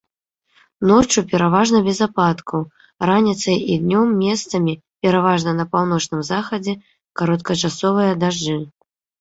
Ноччу пераважна без ападкаў, раніцай і днём месцамі, пераважна па паўночным захадзе кароткачасовыя дажджы.